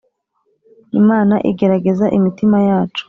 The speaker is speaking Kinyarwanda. Imana igerageza imitima yacu